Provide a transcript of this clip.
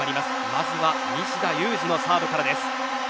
まずは西田有志のサーブからです。